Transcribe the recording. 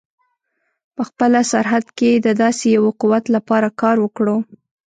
په خپله سرحد کې د داسې یوه قوت لپاره کار وکړو.